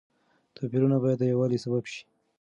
توپيرونه بايد د يووالي سبب شي.